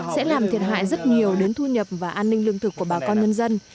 sẽ làm thiệt hại rất nhiều đến thu nhập và an ninh lương thực của bà con nhân dân